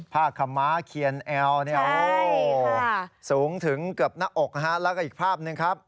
ขม้าเคียนแอลเนี่ยโอ้โหสูงถึงเกือบหน้าอกนะฮะแล้วก็อีกภาพหนึ่งครับ